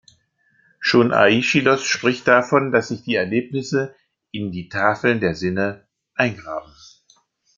Schon Aischylos spricht davon, dass sich die Erlebnisse „in die Tafeln der Sinne“ eingraben.